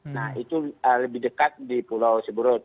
nah itu lebih dekat